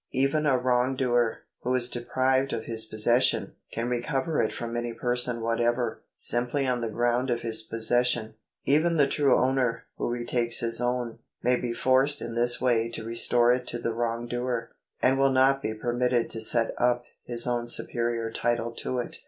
Even a wrongdoer, who is deprived of his possession, can recover it from any person whatever, simply on the ground of his possesrion. Even the true owner, who retakes his own, may be forced in this way to restore it to the wrongdoer, and will not be permitted to set up his own superior title to it.